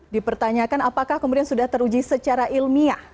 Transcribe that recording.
dipertanyakan apakah kemudian sudah teruji secara ilmiah